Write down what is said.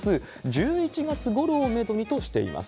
１１月ごろをメドにとしています。